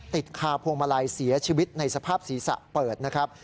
ติดคาพวงมาลัยเสียชีวิตในสภาพศีรษะเปิดนะครับ